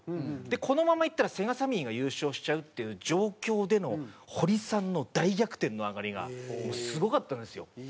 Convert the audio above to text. このままいったらセガサミーが優勝しちゃうっていう状況での堀さんの大逆転のアガリがもうすごかったんですよ。